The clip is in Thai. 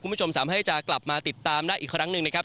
คุณผู้ชมสามารถให้จะกลับมาติดตามได้อีกครั้งหนึ่งนะครับ